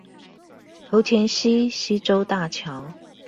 頭前溪溪州大橋